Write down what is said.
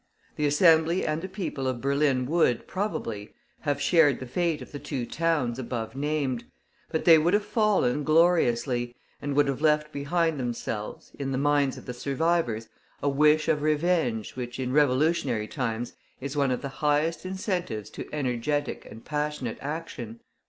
The Assembly and the people of Berlin would, probably, have shared the fate of the two towns above named; but they would have fallen gloriously, and would have left behind themselves, in the minds of the survivors, a wish of revenge which in revolutionary times is one of the highest incentives to energetic and passionate action.